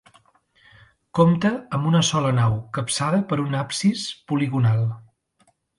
Compta amb una sola nau capçada per un absis poligonal.